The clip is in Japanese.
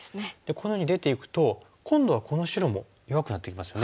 このように出ていくと今度はこの白も弱くなってきますよね。